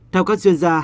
theo các chuyên gia